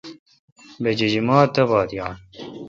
بہ جیجیما تہ بات یاں۔